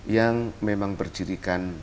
yang memang berjirikan